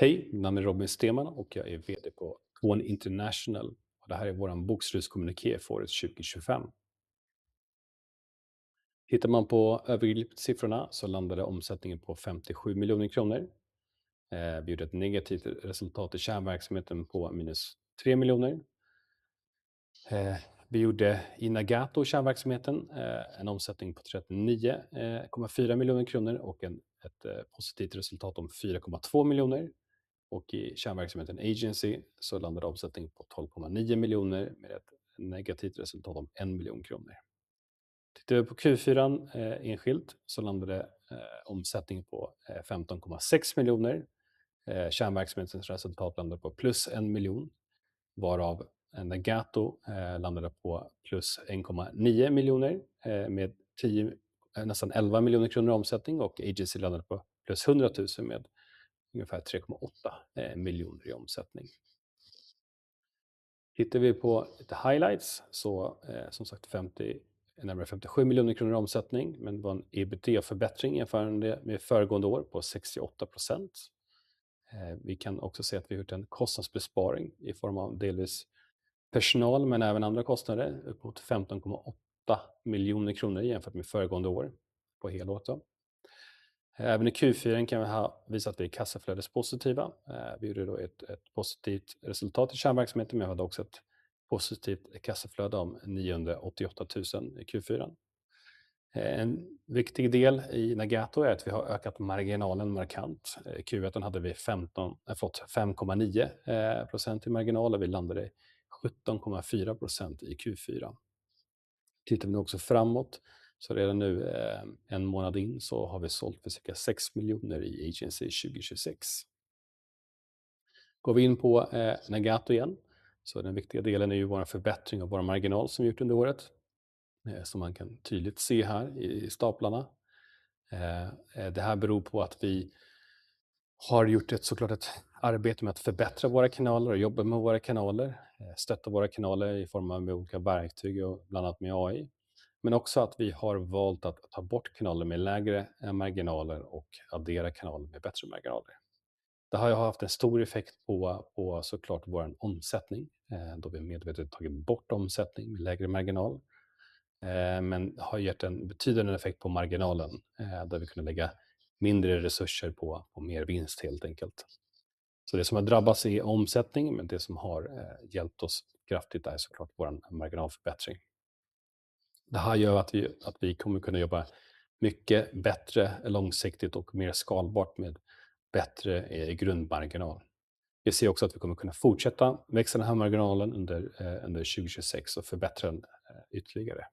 Hej, mitt namn är Robin Stenman och jag är VD på One International. Det här är vår bokslutskommuniké för året 2025. Tittar man på övergripande siffrorna så landade omsättningen på 57 miljoner kronor. Vi bjöd ett negativt resultat i kärnverksamheten på minus 3 miljoner. Vi gjorde i Nagato kärnverksamheten en omsättning på 39,4 miljoner kronor och ett positivt resultat om 4,2 miljoner. I kärnverksamheten Agency så landade omsättningen på 12,9 miljoner med ett negativt resultat om 1 miljon kronor. Tittar vi på Q4 enskilt så landade omsättningen på 15,6 miljoner. Kärnverksamhetens resultat landade på plus 1 miljon, varav Nagato landade på plus 1,9 miljoner med nästan 11 miljoner kronor i omsättning och Agency landade på plus 100 tusen med ungefär 3,8 miljoner i omsättning. Tittar vi på lite highlights, så, som sagt, 57 miljoner kronor i omsättning, men det var en EBT-förbättring jämförande med föregående år på 68%. Vi kan också se att vi har gjort en kostnadsbesparing i form av delvis personal, men även andra kostnader, upp mot 15,8 miljoner kronor jämfört med föregående år, på helåret då. Även i Q4 kan vi ha visat att vi är kassaflödespositiva. Vi gjorde då ett positivt resultat i kärnverksamheten, men vi hade också ett positivt kassaflöde om 988 tusen i Q4. En viktig del i Nagato är att vi har ökat marginalen markant. I Q1 hade vi 5,9% i marginal och vi landade i 17,4% i Q4. Tittar vi nu också framåt, så redan nu, en månad in, så har vi sålt för cirka 6 miljoner kronor i Agency 2026. Går vi in på Nagato igen, så den viktiga delen är ju vår förbättring av vår marginal som vi gjort under året, som man kan tydligt se här i staplarna. Det här beror på att vi har gjort ett arbete med att förbättra våra kanaler och jobba med våra kanaler, stötta våra kanaler i form av med olika verktyg och bland annat med AI. Men också att vi har valt att ta bort kanaler med lägre marginaler och addera kanaler med bättre marginaler. Det har ju haft en stor effekt på vår omsättning, då vi medvetet tagit bort omsättning med lägre marginal. Men har gett en betydande effekt på marginalen, där vi kunnat lägga mindre resurser på, och mer vinst helt enkelt. Så det som har drabbats är omsättning, men det som har hjälpt oss kraftigt är så klart vår marginalförbättring. Det här gör att vi kommer kunna jobba mycket bättre långsiktigt och mer skalbart med bättre grundmarginal. Vi ser också att vi kommer kunna fortsätta växa den här marginalen under 2026 och förbättra den ytterligare.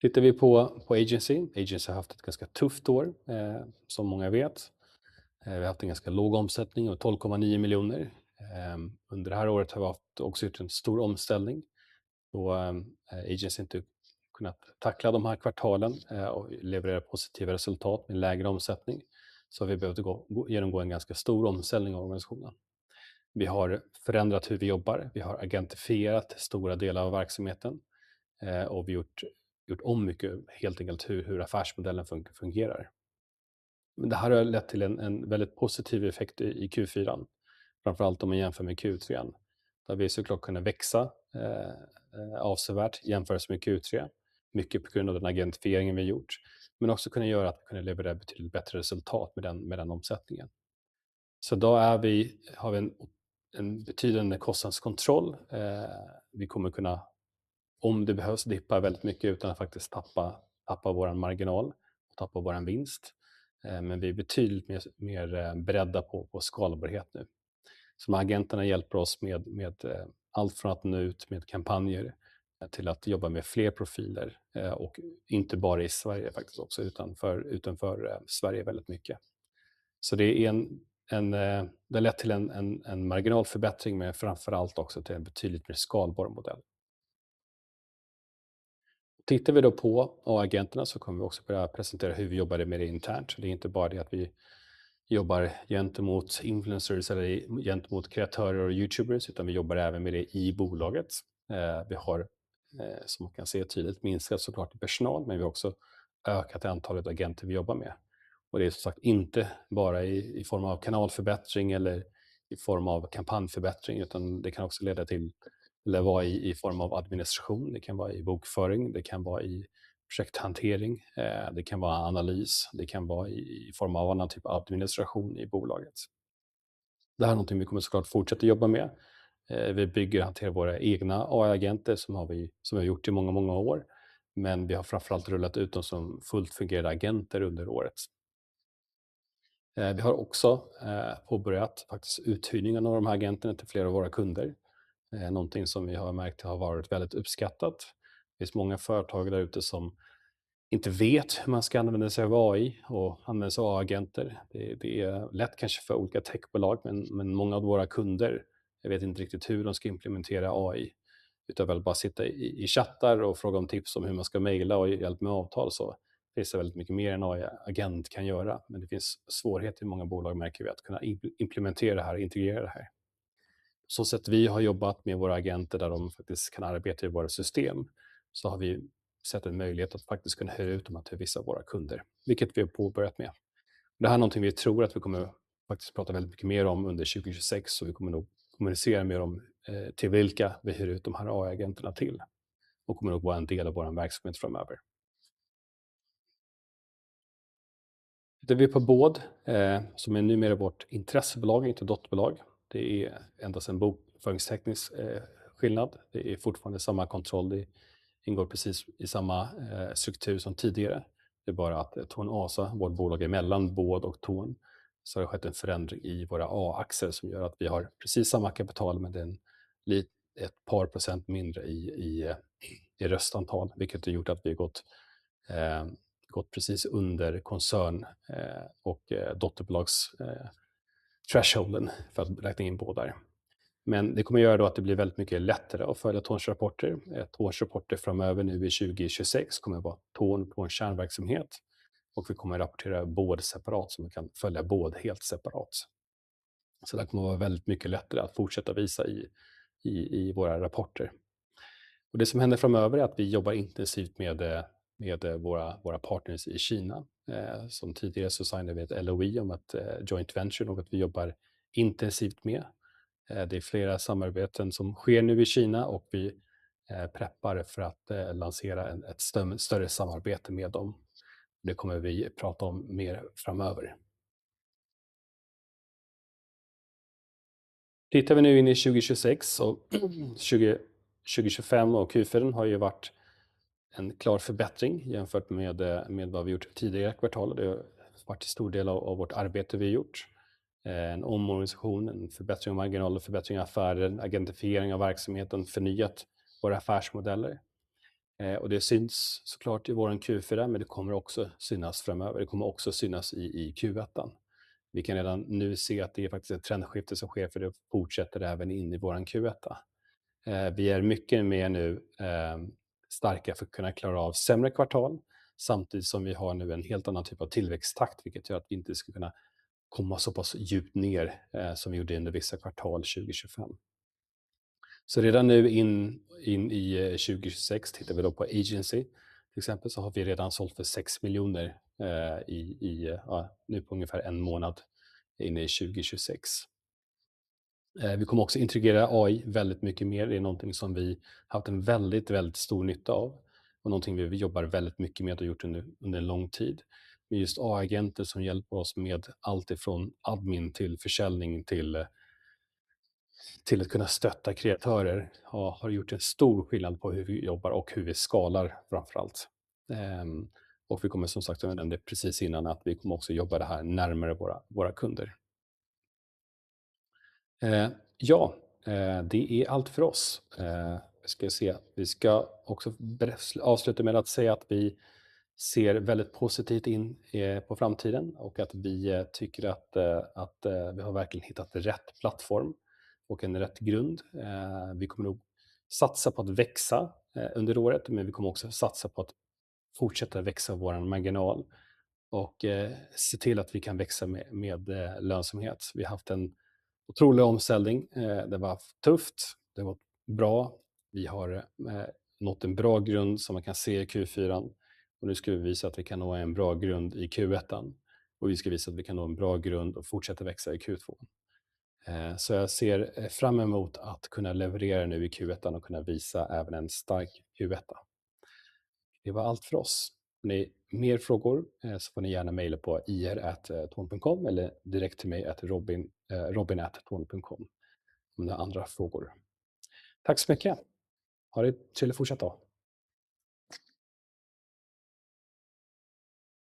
Tittar vi på Agency. Agency har haft ett ganska tufft år, som många vet. Vi har haft en ganska låg omsättning på 12,9 miljoner. Under det här året har vi också gjort en stor omställning. Agency har inte kunnat tackla de här kvartalen och leverera positiva resultat med lägre omsättning. Så vi har behövt gå, genomgå en ganska stor omställning av organisationen. Vi har förändrat hur vi jobbar. Vi har agentifierat stora delar av verksamheten, och vi har gjort om mycket, helt enkelt hur affärsmodellen fungerar. Men det här har lett till en väldigt positiv effekt i Q4. Framför allt om man jämför med Q3, där vi så klart kunnat växa avsevärt i jämförelse med Q3. Mycket på grund av den agentifiering vi har gjort, men också kunnat göra att vi kan leverera betydligt bättre resultat med den omsättningen. Vi har en betydande kostnadskontroll. Vi kommer kunna, om det behövs, dippa väldigt mycket utan att faktiskt tappa vår marginal och tappa vår vinst. Men vi är betydligt mer beredda på skalbarhet nu. Så agenterna hjälper oss med allt från att nå ut med kampanjer till att jobba med fler profiler. Och inte bara i Sverige faktiskt också, utanför Sverige väldigt mycket. Det är en, det har lett till en marginalförbättring, men framför allt också till en betydligt mer skalbar modell. Tittar vi då på agenterna så kommer vi också börja presentera hur vi jobbar med det internt. Det är inte bara det att vi jobbar gentemot influencers eller gentemot kreatörer och YouTubers, utan vi jobbar även med det i bolaget. Vi har, som man kan se tydligt, minskat personal, men vi har också ökat antalet agenter vi jobbar med. Och det är som sagt, inte bara i form av kanalförbättring eller i form av kampanjförbättring, utan det kan också leda till, eller vara i form av administration, det kan vara i bokföring, det kan vara i projekthantering, det kan vara analys, det kan vara i form av annan typ av administration i bolaget. Det här är någonting vi kommer så klart fortsätta jobba med. Vi bygger, hanterar våra egna AI-agenter, som vi har gjort i många, många år, men vi har framför allt rullat ut dem som fullt fungerade agenter under året. Vi har också påbörjat faktiskt uthyrningen av de här agenterna till flera av våra kunder. Det är någonting som vi har märkt har varit väldigt uppskattat. Det finns många företag där ute som inte vet hur man ska använda sig av AI och använda sig av agenter. Det är lätt kanske för olika techbolag, men många av våra kunder vet inte riktigt hur de ska implementera AI, utan vill bara sitta i chattar och fråga om tips om hur man ska mejla och hjälpa med avtal. Det finns väldigt mycket mer en AI-agent kan göra, men det finns svårighet i många bolag märker vi, att kunna implementera det här och integrera det här. Så sätt vi har jobbat med våra agenter där de faktiskt kan arbeta i våra system, så har vi sett en möjlighet att faktiskt kunna hyra ut dem till vissa av våra kunder, vilket vi har påbörjat med. Det här är någonting vi tror att vi kommer att faktiskt prata väldigt mycket mer om under 2026, så vi kommer nog kommunicera mer om till vilka vi hyr ut de här AI-agenterna till och kommer nog vara en del av vår verksamhet framöver. Det vi är på Båd, som är numera vårt intressebolag, inte dotterbolag. Det är endast en bokföringsteknisk skillnad. Det är fortfarande samma kontroll. Det ingår precis i samma struktur som tidigare. Det är bara att Torn ASA, vårt bolag emellan Båd och Torn, så har det skett en förändring i våra A-aktier som gör att vi har precis samma kapital, men det är ett par procent mindre i röstantal, vilket har gjort att vi har gått precis under koncern och dotterbolags thresholden för att räkna in bådar. Men det kommer göra då att det blir väldigt mycket lättare att följa Torns rapporter. En årsrapport är framöver nu i 2026, kommer vara Torn på en kärnverksamhet och vi kommer att rapportera Båd separat, så vi kan följa Båd helt separat. Så det kommer vara väldigt mycket lättare att fortsätta visa i våra rapporter. Och det som händer framöver är att vi jobbar intensivt med våra partners i Kina. Som tidigare så signade vi ett LOI om att joint venture och att vi jobbar intensivt med. Det är flera samarbeten som sker nu i Kina och vi preppar för att lansera ett större samarbete med dem. Det kommer vi prata om mer framöver. Tittar vi nu in i 2026, så 2025 och Q4 har ju varit en klar förbättring jämfört med vad vi gjort tidigare kvartal. Det har varit en stor del av vårt arbete vi gjort. En omorganisation, en förbättring av marginalen, en förbättring av affären, agentifiering av verksamheten, förnyat våra affärsmodeller. Det syns så klart i vår Q4, men det kommer också synas framöver. Det kommer också synas i Q1. Vi kan redan nu se att det är faktiskt ett trendskifte som sker, för det fortsätter även in i vår Q1. Vi är mycket mer nu starka för att kunna klara av sämre kvartal, samtidigt som vi har nu en helt annan typ av tillväxttakt, vilket gör att vi inte ska kunna komma så pass djupt ner som vi gjorde under vissa kvartal 2025. Så redan nu in i 2026, tittar vi då på Agency. Till exempel, så har vi redan sålt för 6 miljoner i, ja, nu på ungefär en månad inne i 2026. Vi kommer också integrera AI väldigt mycket mer. Det är någonting som vi haft en väldigt, väldigt stor nytta av och någonting vi jobbar väldigt mycket med och gjort under en lång tid. Men just AI-agenter som hjälper oss med allt ifrån admin till försäljning till att kunna stötta kreatörer, har gjort en stor skillnad på hur vi jobbar och hur vi skalar framför allt. Och vi kommer som sagt, jag nämnde det precis innan att vi kommer också jobba det här närmare våra kunder. Ja, det är allt för oss. Vi ska också avsluta med att säga att vi ser väldigt positivt in på framtiden och att vi tycker att vi har verkligen hittat rätt plattform och en rätt grund. Vi kommer nog satsa på att växa under året, men vi kommer också satsa på att fortsätta växa vår marginal och se till att vi kan växa med lönsamhet. Vi har haft en otrolig omställning. Det var tufft, det var bra. Vi har nått en bra grund som man kan se i Q4. Nu ska vi visa att vi kan nå en bra grund i Q1. Vi ska visa att vi kan nå en bra grund och fortsätta växa i Q2. Så jag ser fram emot att kunna leverera nu i Q1 och kunna visa även en stark Q1. Det var allt för oss. Har ni mer frågor så får ni gärna maila på ir@torn.com eller direkt till mig på robin@torn.com om ni har andra frågor. Tack så mycket! Ha det, trevlig fortsatt dag.